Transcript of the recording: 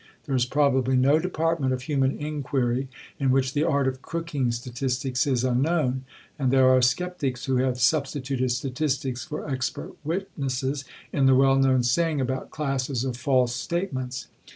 There is probably no department of human inquiry in which the art of cooking statistics is unknown, and there are sceptics who have substituted "statistics" for "expert witnesses" in the well known saying about classes of false statements.